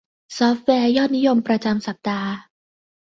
ซอฟต์แวร์ยอดนิยมประจำสัปดาห์